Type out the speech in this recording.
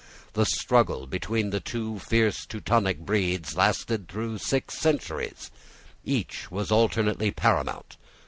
The struggle between the two fierce Teutonic breeds lasted through six generations. Each was alternately paramount.